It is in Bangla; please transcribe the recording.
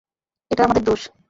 এটা আমাদের দোষ!